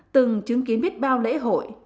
từng chứng kiến biết bao lễ hội